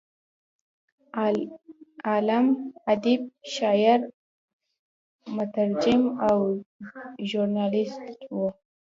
عالم، ادیب، شاعر، مترجم او ژورنالست و.